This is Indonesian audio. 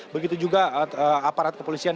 begitu juga aparat kepolisian